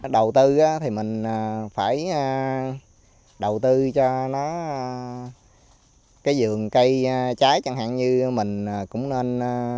đầu tư thì mình phải đầu tư cho nó cái giường cây trái chẳng hạn như mình cũng nên